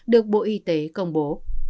được bộ y tế công bố